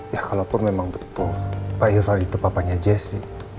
ya kalaupun memang betul pak irfan itu papanya jessi